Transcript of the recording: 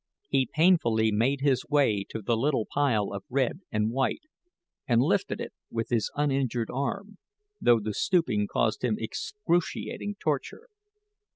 He painfully made his way to the little pile of red and white, and lifted it with his uninjured arm, though the stooping caused him excruciating torture.